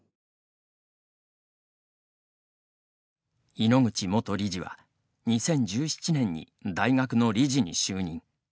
井ノ口元理事は２０１７年に大学の理事に就任。